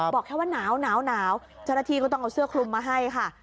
บอกแค่ว่าหนาวเจ้าหน้าที่ก็ต้องเอาเสื้อคลุมมาให้ค่ะ